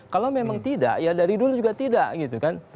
kalau memang tidak ya dari dulu juga tidak gitu kan